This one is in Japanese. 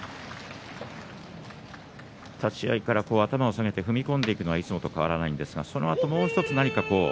立ち合いから頭を下げて踏み込んでいくのは変わらないんですけれどそのあと、どうでしょう。